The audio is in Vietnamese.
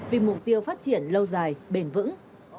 vì mục tiêu phát triển lâu dài bền vững